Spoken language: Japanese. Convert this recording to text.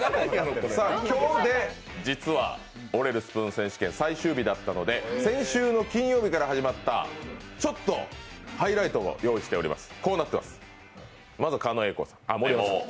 今日で実は、折れるスプーン選手権最終日だったので先週の金曜日から始まったハイライトを用意しています。